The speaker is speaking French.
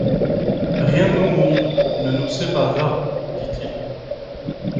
—Rien au monde ne nous séparera,» dit-il.